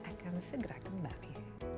akan segera kembali